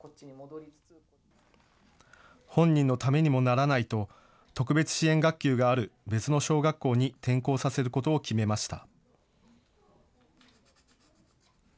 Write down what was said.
本人のためにもならないと特別支援学級がある別の小学校に転校させることを決めました。